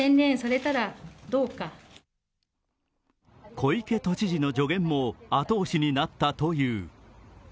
小池都知事の助言も後押しになったという。